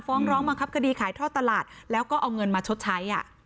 ฟ้องร้องบังคับคดีขายท่อตลาดแล้วก็เอาเงินมาชดใช้